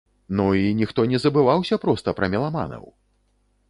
Ну, і ніхто не забываўся проста пра меламанаў!